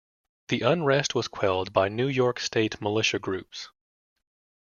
The unrest was quelled by New York State militia groups.